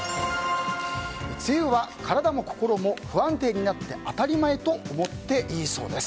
梅雨は体も心も不安定になって当たり前と思っていいそうです。